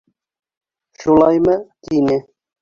— Шулаймы? — тине.